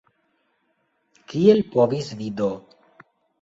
Kiel povis vi do?